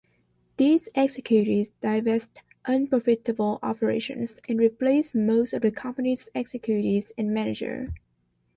These executives divested unprofitable operations and replaced most of the company's executives and managers.